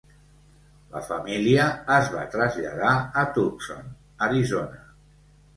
La família es va traslladar a Tucson, Arizona.